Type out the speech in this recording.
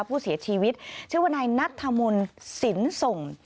ผู้เสียชีวิตชื่อวนายนัทธรรมนศ์สินสงฆ์